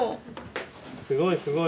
すごいすごい。